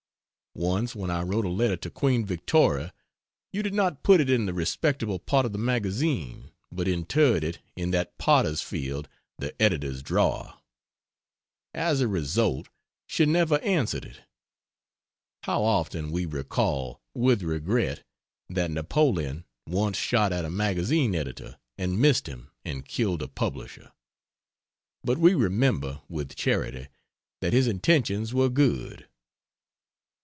Once, when I wrote a Letter to Queen Victoria, you did not put it in the respectable part of the Magazine, but interred it in that potter's field, the Editor's Drawer. As a result, she never answered it. How often we recall, with regret, that Napoleon once shot at a magazine editor and missed him and killed a publisher. But we remember, with charity, that his intentions were good.